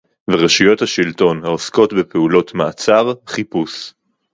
ורשויות השלטון העוסקות בפעולות מעצר, חיפוש